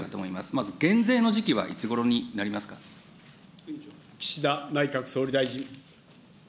まず減税の時期は、いつごろにな岸田内閣総理大臣。